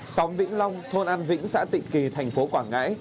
xóm vĩnh long thôn an vĩnh xã tịnh kỳ thành phố quảng ngãi